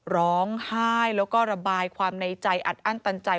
ร้องไห้แล้วก็ระบายความในใจอัดอั้นตันใจ